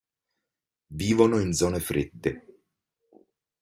Vivono in zone fredde.